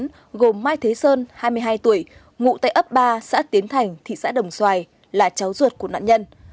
đối tượng gây án gồm mai thế sơn hai mươi hai tuổi ngụ tại ấp ba xã tiến thành thị xã đồng xoài là cháu ruột của nạn nhân